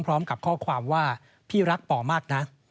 พร้อมกับข้อความว่าพี่รักปอมากนะ